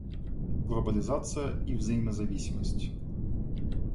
Глобализация и взаимозависимость.